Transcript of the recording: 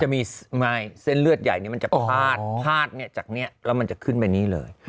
เส้นเลือดใหญ่มันจะพาดพาดจากนี้แล้วมันจะขึ้นไปนี่เลย